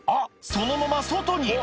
そのまま外に！